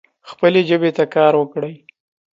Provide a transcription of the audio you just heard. خپلې ژبې ته کار وکړئ